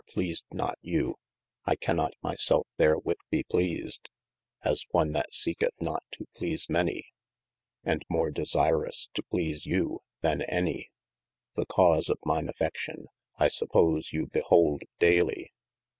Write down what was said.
pleased not you, I cannot my selfe therwith be pleased, as one 1 that seeketh not to please many, and more desirous to please you than any. The cause of myne affe&ion, I suppose you behold dayly.